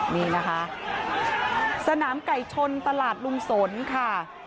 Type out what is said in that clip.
นี่นะคะสนามไก่ชนตลาดลุงสนค่ะ